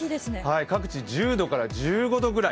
各地１０度から１５度ぐらい。